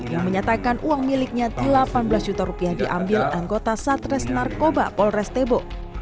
yang menyatakan uang miliknya delapan belas juta rupiah diambil anggota satres narkoba polres tebo